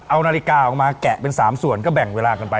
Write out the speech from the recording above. เอานาฬิกาออกมาแกะเป็น๓ส่วนก็แบ่งเวลากันไป